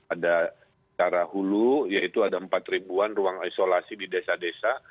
ada cara hulu yaitu ada empat ribuan ruang isolasi di desa desa